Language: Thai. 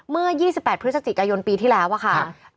เมื่อ๒๘พฤศจิกายนปีที่แล้วค่ะ